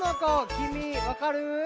きみわかる？